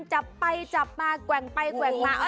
จับไปจับมาแกว่งไปแกว่งมา